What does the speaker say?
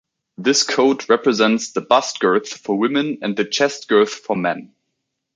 This code represents the bust girth for women and the chest girth for men.